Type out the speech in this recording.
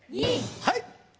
はい。